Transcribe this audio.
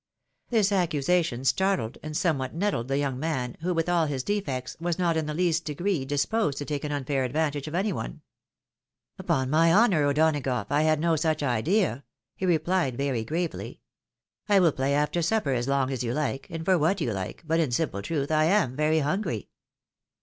This accusation startled, and somewhat nettled the young man, who, with all his defects, was not in the least degree dis posed to take an unfair advantage of any one. " Upon my honour, O'Donagough, I had no such idea," he re plied, very gravely. '' I will play after supper as long as you like, and for what you hke, but in simple truth, I am very hungry."